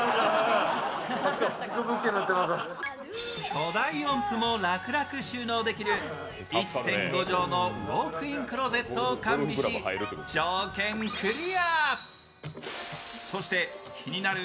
巨大音符も楽々収納できる１．５畳のウオークインクローゼットを完備し条件クリア。